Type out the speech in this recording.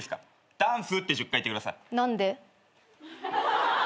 ダンスって１０回言ってください。